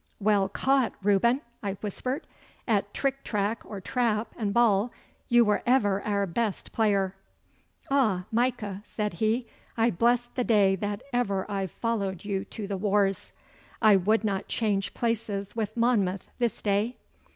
'Well caught, Reuben!' I whispered. 'At trick track or trap and ball you were ever our best player.' 'Ah, Micah,' said he, 'I bless the day that ever I followed you to the wars. I would not change places with Monmouth this day.